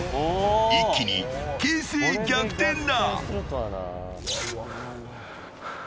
一気に形勢逆転だ。